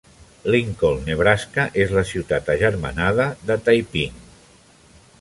Lincoln, Nebraska, és la ciutat agermanada de Taiping.